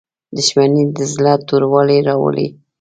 • دښمني د زړه توروالی راولي.